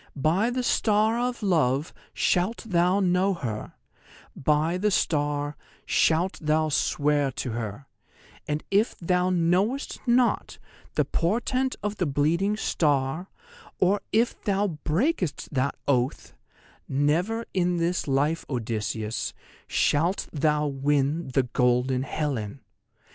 _ "By the Star of Love shalt thou know her; by the star shalt thou swear to her; and if thou knowest not the portent of the Bleeding Star, or if thou breakest that oath, never in this life, Odysseus, shalt thou win the golden Helen!